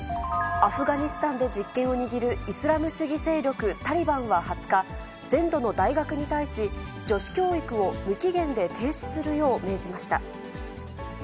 アフガニスタンで実権を握る、イスラム主義勢力タリバンは２０日、全土の大学に対し、女子教育を無期限で停止するよう命じました。